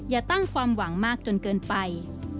อย่าตั้งความหวังมากจนเกินไป